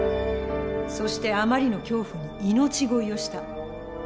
そしてあまりの恐怖に命乞いをした。